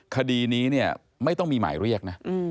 คดีนี้เนี่ยไม่ต้องมีหมายเรียกนะ